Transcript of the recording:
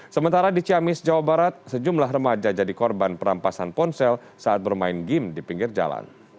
sementara di ciamis jawa barat sejumlah remaja jadi korban perampasan ponsel saat bermain game di pinggir jalan